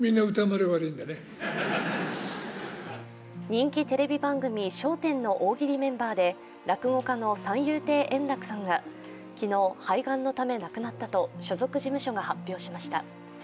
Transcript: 人気テレビ番組「笑点」の大喜利メンバーで落語家の三遊亭円楽さんが昨日、肺がんのため亡くなったと所属事務所が発表しました。